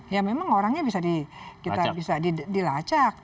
ya memang orangnya bisa dilacak